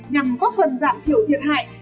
nhằm góp phần giảm thiểu thiệt hại